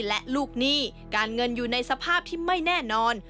และลูกหนี้การเงินอยู่ในสภาพที่ไม่แน่นอน